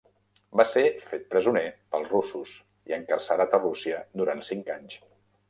Va ser fet presoner pels russos i encarcerat a Rússia durant cinc anys.